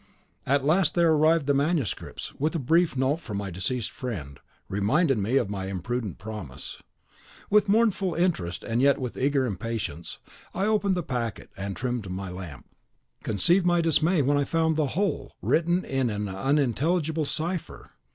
At last there arrived the manuscripts, with a brief note from my deceased friend, reminding me of my imprudent promise. With mournful interest, and yet with eager impatience, I opened the packet and trimmed my lamp. Conceive my dismay when I found the whole written in an unintelligible cipher.